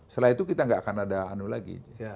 setelah itu kita nggak akan ada anu lagi